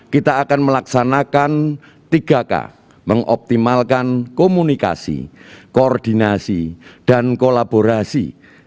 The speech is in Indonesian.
kita akan melaksanakan tiga k mengoptimalkan komunikasi koordinasi dan kolaborasi